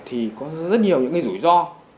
thì có rất nhiều những cái rủi ro